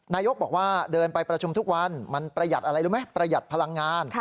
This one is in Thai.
นายกบอกว่าเดินไปประชุมทุกวันมันประหยัดอะไรรู้ไหมประหยัดพลังงาน